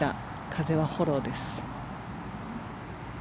風はフォローです。